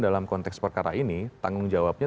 dalam konteks perkara ini tanggung jawabnya